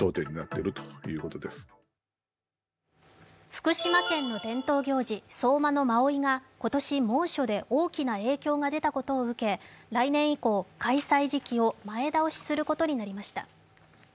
福島県の伝統行事、相馬野馬追が今年、猛暑で大きな影響が出たことを受け来年以降、開催時期を前倒しすることになりました。